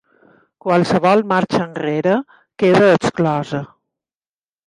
Qualsevol marxa enrere queda exclosa.